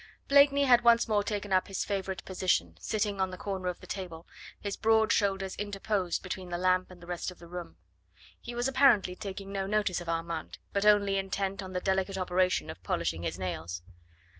Blakeney had once more taken up his favourite position, sitting on the corner of the table, his broad shoulders interposed between the lamp and the rest of the room. He was apparently taking no notice of Armand, but only intent on the delicate operation of polishing his nails.